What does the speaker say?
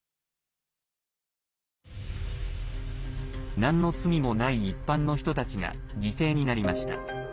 なんの罪もない一般の人たちが犠牲になりました。